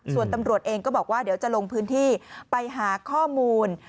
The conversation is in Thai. ส่วนตำรวจเองก็บอกว่าเดี๋ยวจะลงพื้นที่ไปหาข้อมูล